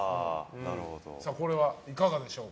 これはいかがでしょう？